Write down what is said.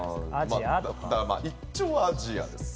一応アジアです。